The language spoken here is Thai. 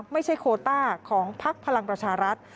ไม่ใช่โคต้าของภักดิ์พลังประชารัฐ